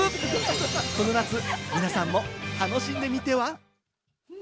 この夏、皆さんも楽しんでみては？